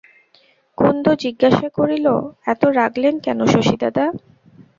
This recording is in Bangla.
কুন্দ জিজ্ঞাসা করিল, এত রাগলেন কেন শশীদাদা?